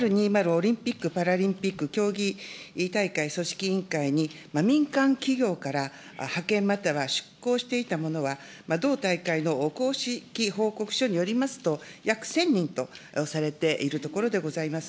オリンピック・パラリンピック競技大会組織委員会に、民間企業から派遣、または出向していた者は同大会の公式報告書によりますと、約１０００人とされているところでございます。